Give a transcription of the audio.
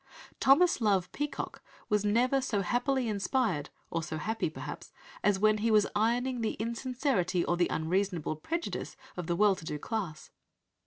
Thomas Love Peacock was never, so happily inspired or so happy perhaps as when he was "ironing" the insincerity or the unreasonable prejudice of the "well to do" class.